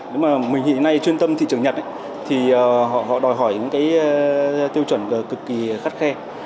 nếu mà mình hiện nay chuyên tâm thị trường nhật thì họ đòi hỏi những cái tiêu chuẩn cực kỳ khắt khe